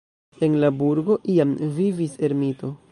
En la burgo iam vivis ermito.